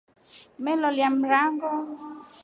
Umeloliya mrango.